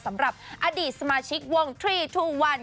สำหรับอดีตสมาชิกวงทรีทูวัน